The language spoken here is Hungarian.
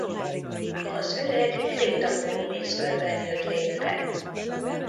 Az üreg kréta korú mészkőben jött létre.